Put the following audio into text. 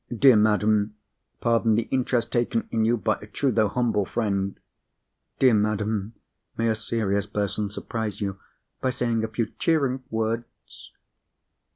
"Dear madam, pardon the interest taken in you by a true, though humble, friend." "Dear madam, may a serious person surprise you by saying a few cheering words?"